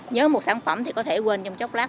nhớ một sản phẩm thì có thể quên trong chốc lát